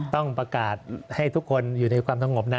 ต้องประกาศให้ทุกคนอยู่ในความสงบนะ